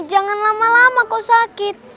jangan lama lama kok sakit